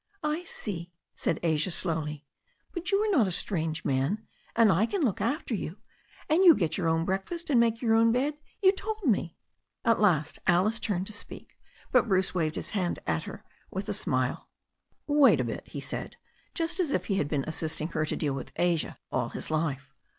"I see," said Asia slowly. "But you are not a strange man. And I can look after you. And you get your own breakfast, and make your own bed, you told me." At last Alice turned to speak, but Bruce waved his hand at her with a smile. "Wait a bit," he said, just as if he had been assisting her to deal with Asia all his life.